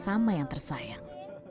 sama yang tersayang